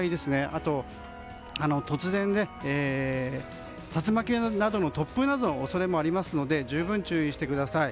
あと、竜巻などの突風の恐れもありますので十分注意してください。